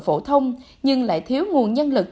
phổ thông nhưng lại thiếu nguồn nhân lực